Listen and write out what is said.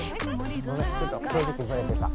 ごめんちょっと正直ブレてた